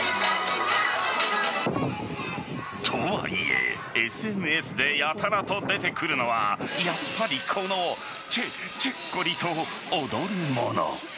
とはいえＳＮＳでやたらと出てくるのはやっぱり、このチェッチェッコリと踊るもの。